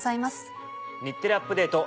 『日テレアップＤａｔｅ！』